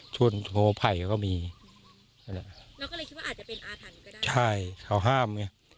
ใช่เขาห้าม